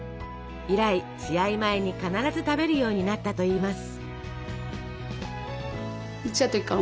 以来試合前に必ず食べるようになったといいます。